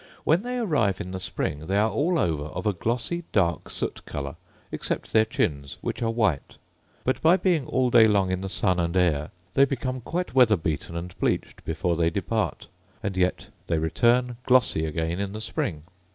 When they arrive in the spring they are all over of a glossy, dark soot colour, except their chins, which are white; but, by being all day long in the sun and air, they become quite weather beaten and bleached before they depart, and yet they return glossy again in the spring.